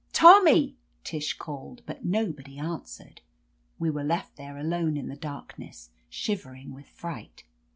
"Tommy!" Tish called. But nobody an swered. We were left there alone in the dark ness, shivering with fright.